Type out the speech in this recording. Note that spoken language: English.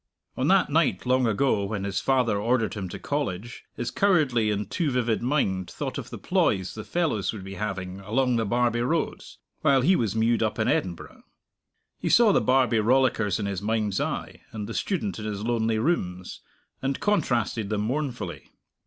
On that night, long ago, when his father ordered him to College, his cowardly and too vivid mind thought of the ploys the fellows would be having along the Barbie roads, while he was mewed up in Edinburgh. He saw the Barbie rollickers in his mind's eye, and the student in his lonely rooms, and contrasted them mournfully.